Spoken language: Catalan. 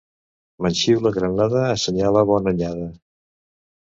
Manxiula granada assenyala bona anyada.